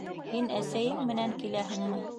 Һин әсәйең менән киләһеңме?